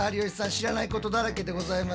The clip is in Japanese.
知らないことだらけでございましたね。